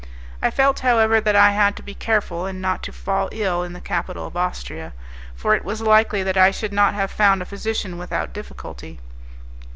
I felt, however, that I had to be careful, and not to fall ill in the capital of Austria, for it was likely that I should not have found a physician without difficulty.